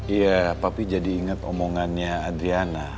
iya papi jadi ingat omongannya adriana